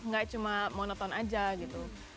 nggak cuma monoton aja gitu